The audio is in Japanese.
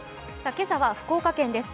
今朝は福岡県です